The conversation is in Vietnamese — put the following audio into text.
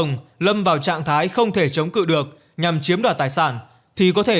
cho người bị tấn công lâm vào trạng thái không thể chống cự được nhằm chiếm đoạt tài sản thì có thể